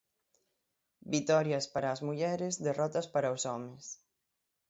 Vitorias para as mulleres, derrotas para os homes.